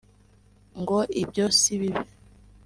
ngo ibyo si bibi